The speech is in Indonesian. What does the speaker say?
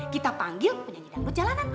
kita panggil penyanyi dangdut jalanan